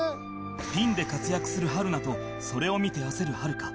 ピンで活躍する春菜とそれを見て焦るはるか